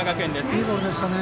いいボールでしたね。